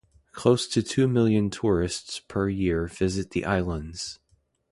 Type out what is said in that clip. Close to two million tourists per year visit the islands.